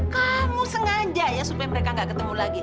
kamu sengaja ya supaya mereka nggak ketemu lagi